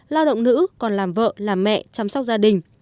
lao động nữ còn làm vợ làm mẹ chăm sóc gia đình